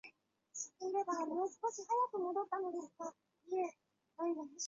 托尔特宰。